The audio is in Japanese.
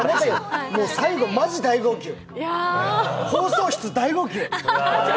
最後、マジ大号泣、放送室、大号泣！